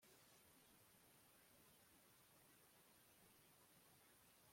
Ni bangahe muri aba ari abawe